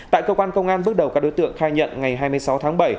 tại cơ quan công an bước đầu các đối tượng khai nhận ngày hai mươi sáu tháng bảy